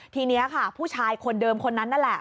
ทีนี้ค่ะผู้ชายคนเดิมคนนั้นนั่นแหละ